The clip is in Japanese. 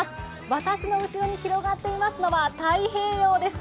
私の後ろに広がっていますのは太平洋です。